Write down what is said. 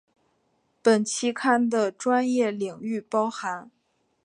本期刊的专业领域包含